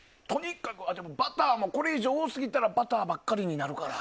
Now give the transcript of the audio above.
バターもこれ以上多すぎたらバターばっかりになるから。